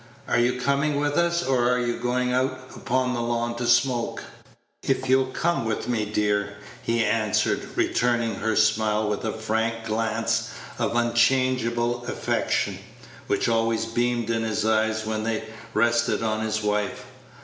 "Are you coming with us, or are you going out upon the lawn to smoke?" "If you'll come with me, dear," he answered, returning her smile with a frank glance of unchangeable affection, which always beamed in his eyes when they rested on his wife.